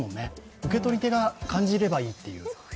受け取り手が感じればいいという。